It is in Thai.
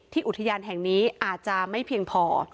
อุทยานแห่งนี้อาจจะไม่เพียงพอ